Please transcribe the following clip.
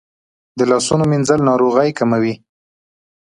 د لاسونو مینځل ناروغۍ کموي.